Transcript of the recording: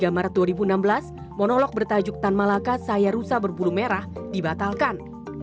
dua puluh tiga maret dua ribu enam belas monolog bertajuk tan malaka saya rusa berburu merah dibatalkan